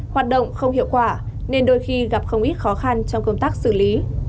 hoạt động không hiệu quả nên đôi khi gặp không ít khó khăn trong công tác xử lý